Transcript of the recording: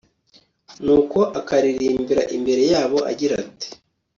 nuko akaririmbira imbere yabo, agira ati